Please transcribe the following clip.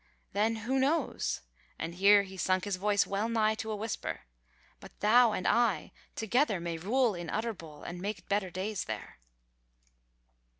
Then who knows" (and here he sunk his voice well nigh to a whisper) "but thou and I together may rule in Utterbol and make better days there."